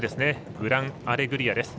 グランアレグリアです。